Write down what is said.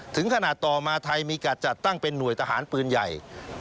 ถึงขนาดต่อมาไทยมีการจัดตั้งเป็นหน่วยทหารปืนใหญ่